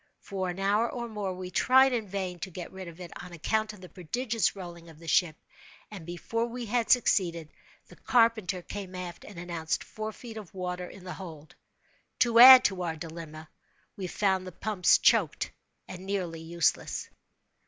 For an hour or more, we tried in vain to get rid of it, on account of the prodigious rolling of the ship; and, before we had succeeded, the carpenter came aft and announced four feet of water in the hold. To add to our dilemma, we found the pumps choked and nearly useless.